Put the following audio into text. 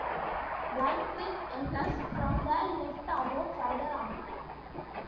Blind Creek enters from the left about further on.